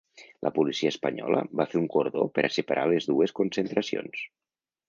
La policia espanyola va fer un cordó per a separar les dues concentracions.